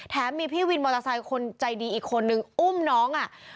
พี่วินมอเตอร์ไซค์คนใจดีอีกคนนึงอุ้มน้องอ่ะ